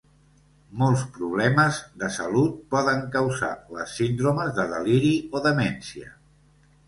Molts problemes de salut poden causar les síndromes de deliri o demència.